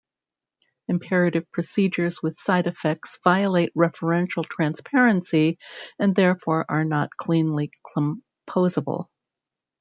Imperative procedures with side effects violate referential transparency and therefore are not cleanly composable.